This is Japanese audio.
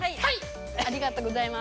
ありがとうございます。